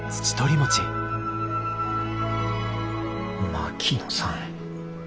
槙野さん